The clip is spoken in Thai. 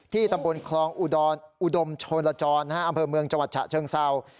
ตำบลคลองอุดรอุดมชนลจรอำเภอเมืองจังหวัดฉะเชิงเศร้า